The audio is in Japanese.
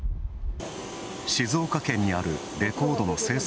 静岡県にあるレコードの生産